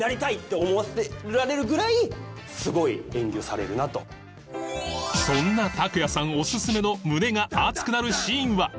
それぐらいやっぱりそんな卓也さんおすすめの胸が熱くなるシーンは？